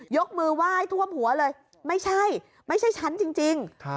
ยกมือไหว้ท่วมหัวเลยไม่ใช่ไม่ใช่ฉันจริง